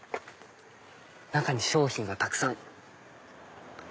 中に商品がたくさん。